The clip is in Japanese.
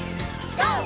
ＧＯ！